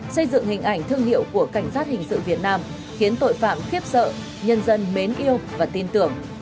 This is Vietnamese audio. xây dựng hình ảnh thương hiệu của cảnh sát hình sự việt nam khiến tội phạm khiếp sợ nhân dân mến yêu và tin tưởng